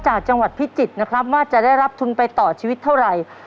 จากจังหวัดพิจิตรนะครับว่าจะได้รับทุนไปต่อชีวิตเท่าไหร่